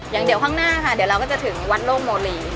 อย่างข้างหน้าค่ะเดี๋ยวเราก็จะถึงวัดโลกโมลี